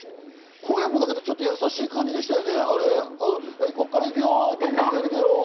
これも優しい感じでしたよね？